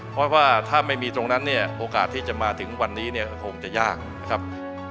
เพราะว่าถ้าไม่มีตรงนั้นเนี่ยโอกาสที่จะมาถึงวันนี้เนี่ยคงจะยากนะครับ